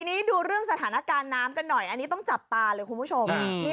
ทีนี้ดูเรื่องสถานการณ์น้ำกันหน่อยอันนี้ต้องจับตาเลยคุณผู้ชม